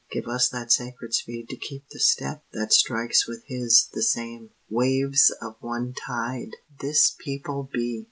Give us that sacred speed to keep the step That strikes with His the same. Waves of one tide, this people be!